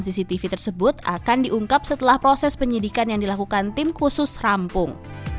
cctv tersebut akan diungkap setelah proses penyidikan yang dilakukan tim khusus rampung